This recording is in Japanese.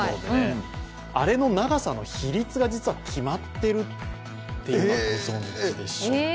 あれの長さの比率が実は決まってるってご存じでしょうか。